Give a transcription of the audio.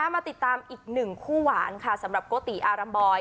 มาติดตามอีกหนึ่งคู่หวานค่ะสำหรับโกติอารัมบอย